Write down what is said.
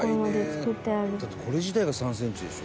「だってこれ自体が３センチでしょ？」